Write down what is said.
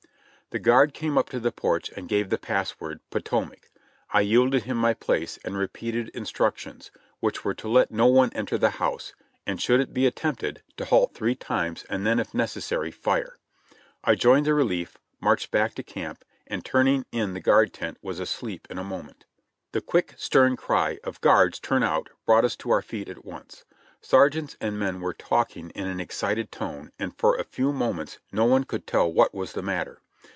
The guard came up to the porch and gave the password "Po tomac." I yielded him my place, and repeated instructions, which were to let no one enter the house, and should it be attempted, to halt three times and then if necessary fire. I joined the relief, marched back to camp, and turning in the guard tent was asleep in a moment. The quick, stern cry of "Guards, turn out!" brought us to our feet at once. Sergeants and men were talking in an excited tone and for a few moments no one could tell what was the matter.